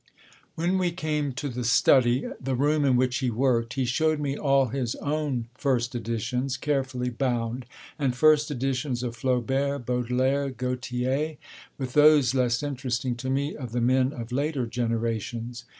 When we came to the study, the room in which he worked, he showed me all his own first editions, carefully bound, and first editions of Flaubert, Baudelaire, Gautier, with those, less interesting to me, of the men of later generations.